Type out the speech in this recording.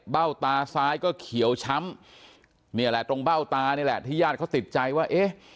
ตาซ้ายก็เขียวช้ำนี่แหละตรงเบ้าตานี่แหละที่ญาติเขาติดใจว่าเอ๊ะ